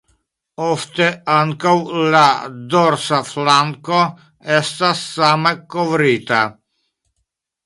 Ofte ankaŭ la dorsa flanko estas same kovrita.